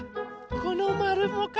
このまるもか。